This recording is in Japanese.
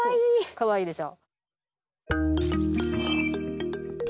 かわいいでしょ？